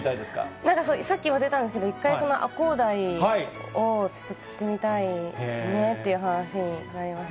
なんか、さっきも出たんですけど、一回、アコウダイを釣ってみたいねっていう話になりました。